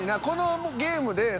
このゲームで。